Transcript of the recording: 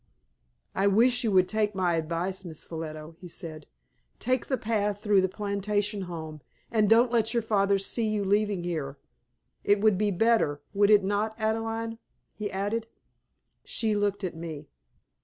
"I wish you would take my advice, Miss Ffolliot," he said. "Take the path through the plantation home, and don't let your father see you leaving here. It would be better, would it not, Adelaide?" he added. She looked at me.